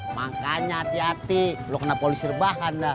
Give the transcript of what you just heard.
makanya hati hati lo kena polisi rebahan dah